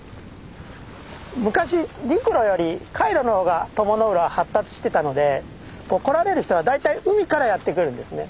昔陸路より海路の方が鞆の浦は発達してたので来られる人は大体海からやって来るんですね。